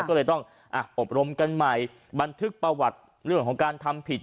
ก็เลยต้องอบรมกันใหม่บันทึกประวัติเรื่องของการทำผิด